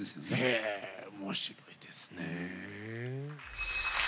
へえ面白いですね。